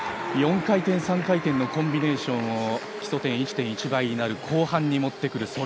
４回転、３回転のコンビネーションを基礎点１．１倍になる後半に持ってくる。